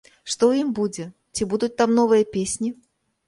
Што ў ім будзе, ці будуць там новыя песні?